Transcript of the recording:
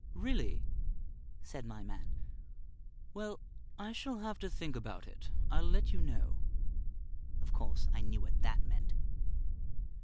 "Really?" said my man. "Well, I shall have to think about it. I'll let you know." Of course, I knew what that meant.